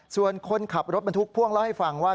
ส่วนคนขับรถบรรทุกพ่วงเล่าให้ฟังว่า